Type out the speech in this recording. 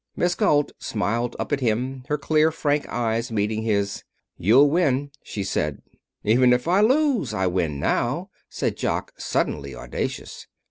Miss Galt smiled up at him, her clear, frank eyes meeting his. "You'll win," she said. "Even if I lose I win now," said Jock, suddenly audacious.